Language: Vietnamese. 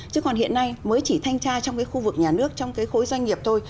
chứ còn hiện nay mới chỉ thanh tra trong cái khu vực nhà nước trong cái khối doanh nghiệp thôi